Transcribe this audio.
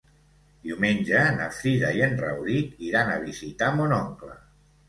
Diumenge na Frida i en Rauric iran a visitar mon oncle.